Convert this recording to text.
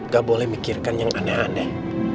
gak boleh mikirkan yang aneh aneh